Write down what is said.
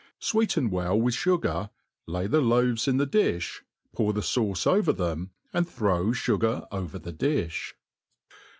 Sweeten well with fugar, lay the loaves in the di(h, pour the fauce om them, and throw fugar over the difh.